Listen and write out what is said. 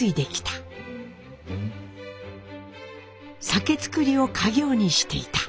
「酒造を家業にしていた」。